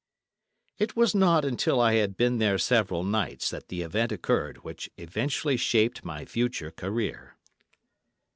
It was not until I had been there several nights that the event occurred which effectually shaped my future career.